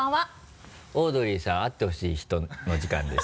「オードリーさん、会ってほしい人」の時間です。